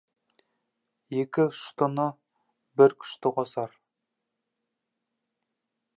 Екі ұштыны бір күшті қосар.